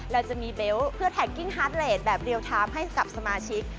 เราจะมีเบลต์เพื่อแท็กกิ้งฮาร์ดเลสแบบเรียลไทม์ให้กับสมาชิก